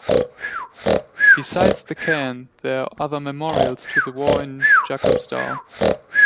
Besides the cairn, there are other memorials to the war in Jacobsdal.